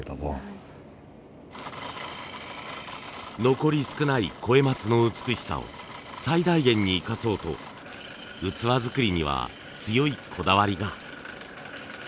残り少ない肥松の美しさを最大限に生かそうと器作りには強いこだわりが。